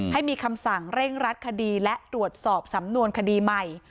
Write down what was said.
ให้มีคำสั่งเร่งรัดคดีและตรวจสอบสำนวนคดีใหม่